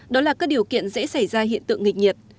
đó là các điều kiện dễ xảy ra hiện tượng nghịch nhiệt